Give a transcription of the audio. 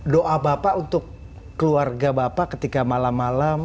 doa bapak untuk keluarga bapak ketika malam malam